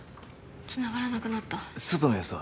つながらなくなった外の様子は？